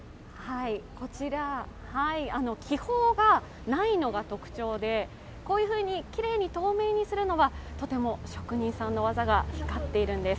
こちら、気泡がないのが特徴でこういうふうにきれいに透明にするのはとても職人さんの技が光っているんです。